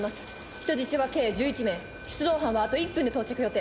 人質は計１１名出動班はあと１分で到着予定。